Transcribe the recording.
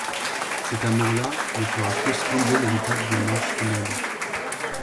Cet amour-là ne fera que scander les étapes d'une marche funèbre.